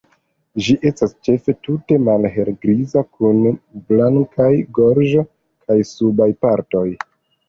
Ĝi estas ĉefe tute malhelgriza kun blankaj gorĝo kaj subaj partoj.